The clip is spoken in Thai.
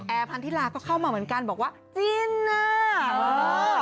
พันธิลาก็เข้ามาเหมือนกันบอกว่าจินน่ะเออ